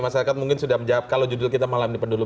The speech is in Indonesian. masyarakat mungkin sudah menjawab kalau judul kita malam di pendulu